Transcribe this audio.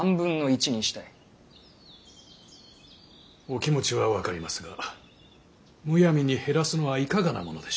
お気持ちは分かりますがむやみに減らすのはいかがなものでしょうか。